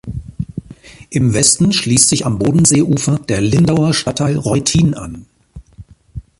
Im Westen schließt sich am Bodenseeufer der Lindauer Stadtteil Reutin an.